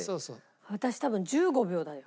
私多分１５秒だよ。